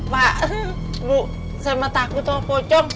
pak bu saya mah takut tau pocong